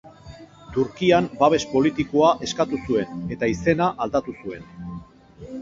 Turkian babes politikoa eskatu zuen eta izena aldatu zuen.